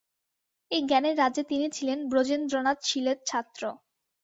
এই জ্ঞানের রাজ্যে তিনি ছিলেন ব্রজেন্দ্রনাথ শীলের ছাত্র।